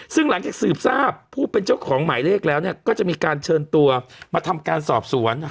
ซึ่งหลังจากสืบทราบผู้เป็นเจ้าของหมายเลขแล้วก็จะมีการเชิญตัวมาทำการสอบสวน